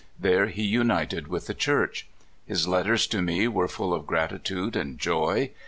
There he united with the Church. His letters to me were full of gratitude and joy.